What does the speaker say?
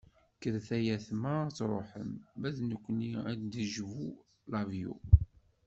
Kkret ay ayetma ad truḥem, ma d nekkni ad d-tejbu lavyu.